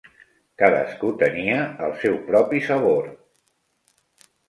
Cadascun tenia el seu propi sabor.